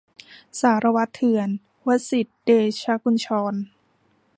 สารวัตรเถื่อน - วสิษฐ เดชกุญชร